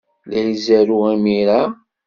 La izerrew imir-a?